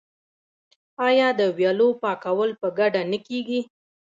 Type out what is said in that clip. آیا د ویالو پاکول په ګډه نه کیږي؟